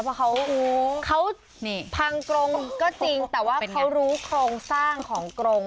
เพราะเขาพังกรงก็จริงแต่ว่าเขารู้โครงสร้างของกรง